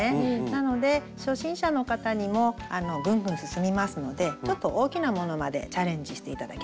なので初心者の方にもぐんぐん進みますのでちょっと大きなものまでチャレンジして頂けます。